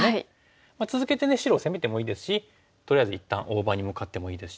続けてね白を攻めてもいいですしとりあえず一旦大場に向かってもいいですし。